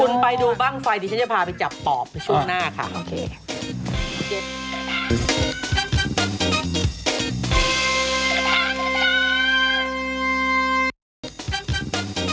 คุณไปดูบ้างไฟดิฉันจะพาไปจับปอบช่วงหน้าค่ะโอเค